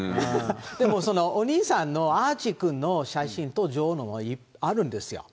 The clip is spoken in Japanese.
でもそのお兄さんのアーチー君の写真と女王のはあるんですよ。